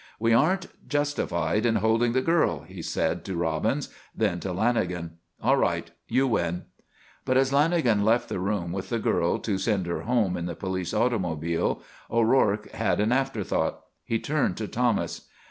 "We aren't justified in holding the girl," he said to Robbins. Then to Lanagan: "All right. You win." But as Lanagan left the room with the girl to send her home in the police automobile, O'Rourke had an afterthought. He turned to Thomas.